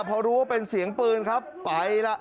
พอรู้ว่าเป็นเสียงปืนครับไปล่ะ